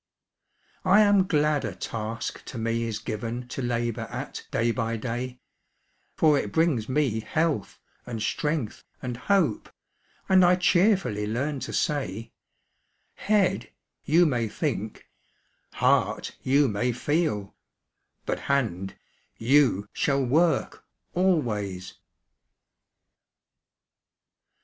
I am glad a task to me is given To labor at day by day; For it brings me health, and strength, and hope, And I cheerfully learn to say 'Head, you may think; heart, you may feel; But hand, you shall work always!'